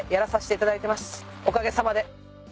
おかげさまで。